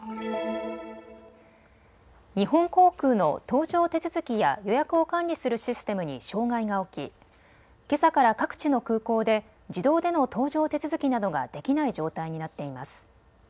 日本航空の搭乗手続きや予約を管理するシステムに障害が起きけさから各地の空港で自動での搭乗手続きなどができない状態になっています。